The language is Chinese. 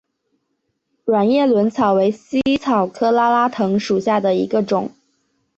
卵叶轮草为茜草科拉拉藤属下的一个种。